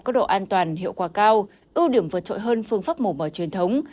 có độ an toàn hiệu quả cao ưu điểm vượt trội hơn phương pháp mổ mở truyền thống